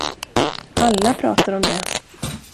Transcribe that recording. Alla pratar om det.